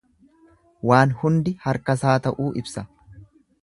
Waan hundi harkasaa ta'uu ibsa.